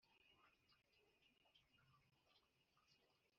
ni byo birwanya inzara mu bantu